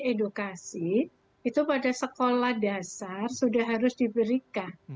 edukasi itu pada sekolah dasar sudah harus diberikan